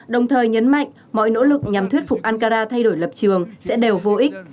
đồng thời nhấn mạnh mọi nỗ lực nhằm thuyết phục ankara thay đổi lập trường sẽ đều vô ích